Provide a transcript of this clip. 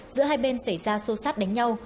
giữa hai bên xảy ra xô xát đánh nhau